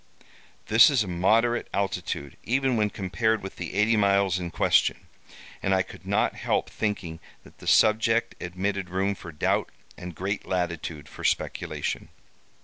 This is a moderate altitude, even when compared with the eighty miles in question; and I could not help thinking that the subject admitted room for doubt and great latitude for speculation.